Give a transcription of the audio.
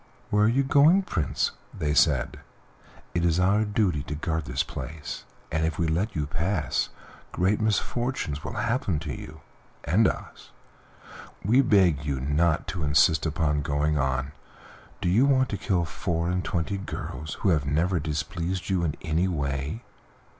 "Where are you going, Prince?" they said; "it is our duty to guard this place, and if we let you pass great misfortunes will happen to you and to us. We beg you not to insist upon going on. Do you want to kill four and twenty girls who have never displeased you in any way?"